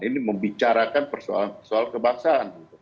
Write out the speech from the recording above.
ini membicarakan persoalan soal kebangsaan